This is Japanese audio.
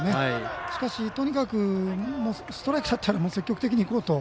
しかし、とにかくストライクだったら積極的にいこうと。